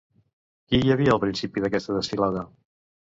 Qui hi havia al principi d'aquesta desfilada?